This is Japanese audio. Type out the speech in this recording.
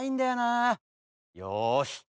よし。